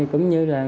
cũng như là